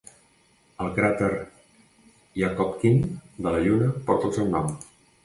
El cràter Yakovkin de la Lluna porta el seu nom.